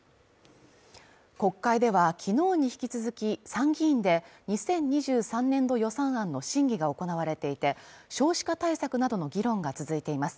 国会では、昨日に引き続き、参議院で２０２３年度予算案の審議が行われていて、少子化対策などの議論が続いています。